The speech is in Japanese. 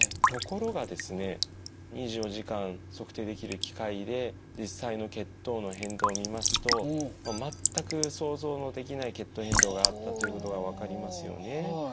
ところがですね２４時間測定できる機械で実際の血糖の変動を見ますと全く想像のできない血糖変動があったということが分かりますよね。